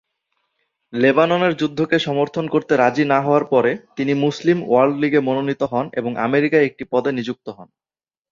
লেবাননের যুদ্ধকে সমর্থন করতে রাজি না হওয়ার পরে, তিনি মুসলিম ওয়ার্ল্ড লিগে মনোনীত হন এবং আমেরিকায় একটি পদে নিযুক্ত হন।